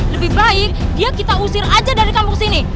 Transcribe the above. lebih baik dia kita usir aja dari kampung sini